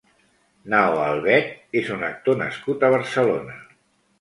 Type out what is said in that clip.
Nao Albet és un actor nascut a Barcelona.